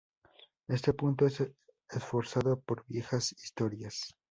Este punto es reforzado por viejas historias.